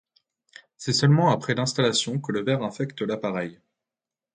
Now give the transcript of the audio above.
C'est seulement après l'installation que le ver infecte l'appareil.